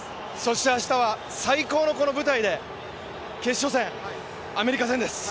明日は最高のこの舞台で決勝戦、アメリカ戦です。